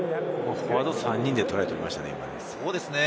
フォワード３人でトライを取りましたね。